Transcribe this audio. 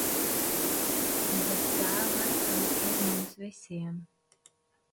Bet tā laikam ir mums visiem.